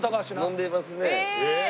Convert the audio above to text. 飲んでますね。